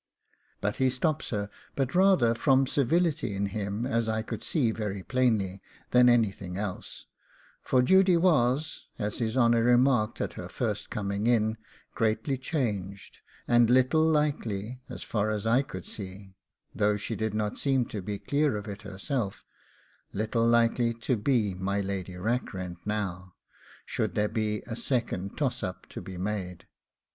But he stops her, but rather from civility in him, as I could see very plainly, than anything else, for Judy was, as his honour remarked at her first coming in, greatly changed, and little likely, as far as I could see though she did not seem to be clear of it herself little likely to be my Lady Rackrent now, should there be a second toss up to be made.